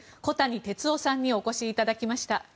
小谷哲男さんにお越しいただきました。